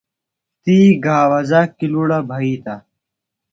تی گھاوزہ کلوڑ بھیتہ۔